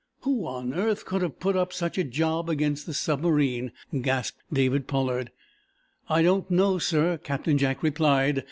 "Who on earth could have put up such a job against the submarine?" gasped David Pollard. "I don't know, sir," Captain Jack replied.